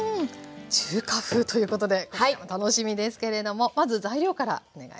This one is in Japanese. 中華風ということで楽しみですけれどもまず材料からお願いします。